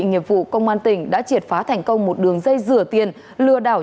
nghiệp vụ công an tỉnh đã triệt phá thành công một đường dây rửa tiền lừa đảo